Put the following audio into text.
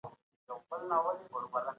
د ماير او بالدوين تعريف اوږده پروسه راښيي.